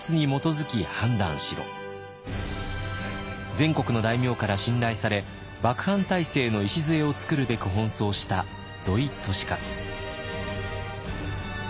全国の大名から信頼され幕藩体制の礎をつくるべく奔走した土井利勝。